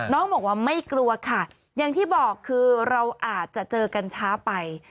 น้องบอกว่าไม่กลัวค่ะอย่างที่บอกคือเราอาจจะเจอกันช้าไป